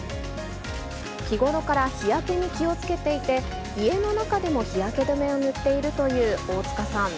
日頃から日焼けに気をつけていて、家の中でも日焼け止めを塗っているという大塚さん。